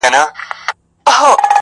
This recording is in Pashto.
پاچا صاحبه خالي سوئ، له جلاله یې,